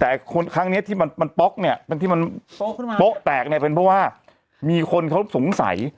แต่ครั้งนี้ที่มันป๊อกเนี่ยที่มันโป๊ะแตกเนี่ยเป็นเพราะว่ามีคนเขาสงสัย